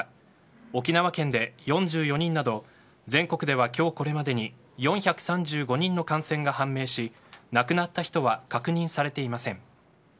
沖縄県で４４人など全国では今日これまでに４３５人の感染が判明し亡くなった人は確認されていません。